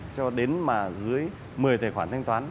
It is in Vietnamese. cho đến mà dưới một mươi tài khoản thanh toán